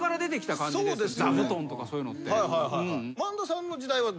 ザブトンとかそういうのって。